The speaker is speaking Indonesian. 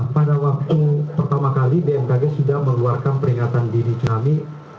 pada waktu pertama kali bkg sudah meluarkan peringatan dini tsunami